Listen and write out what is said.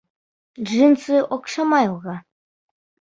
Джинсы оҡшамай уға...